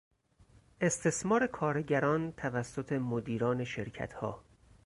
استثمار کارگران توسط مدیران شرکت ها